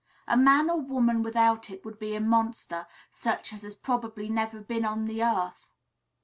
A man or woman without it would be a monster, such as has probably never been on the earth.